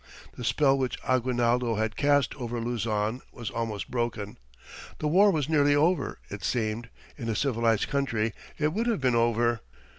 The spell which Aguinaldo had cast over Luzon was almost broken. The war was nearly over, it seemed in a civilized country it would have been over.